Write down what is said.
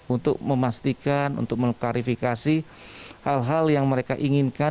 untuk memastikan untuk mengklarifikasi hal hal yang mereka inginkan